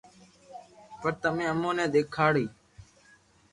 پر تمي امو ني ديکاڙو